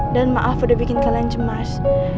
dan maaf udah bikin kalian cemas